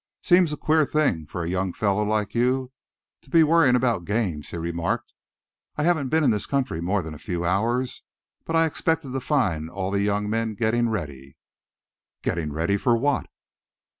"Seems a queer thing for a young fellow like you to be worrying about games," he remarked. "I haven't been in this country more than a few hours, but I expected to find all the young men getting ready." "Getting ready for what?"